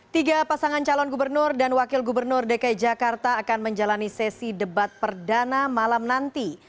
tiga pasangan calon gubernur dan wakil gubernur dki jakarta akan menjalani sesi debat perdana malam nanti